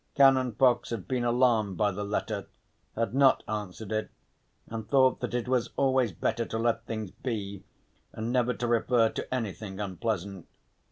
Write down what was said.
Canon Fox had been alarmed by the letter, had not answered it, and thought that it was always better to let things be, and never to refer to anything unpleasant.